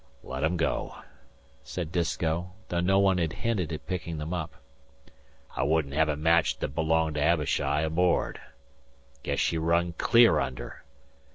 "Let 'em go," said Disko, though no one had hinted at picking them up. "I wouldn't hev a match that belonged to Abishai aboard. Guess she run clear under.